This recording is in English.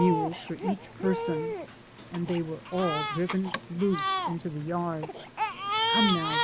There were two mules for each person, and they were all driven loose into the yard, *^ Come now